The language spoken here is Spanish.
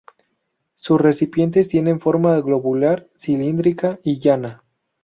Sus recipientes tienen forma globular, cilíndrica y llana.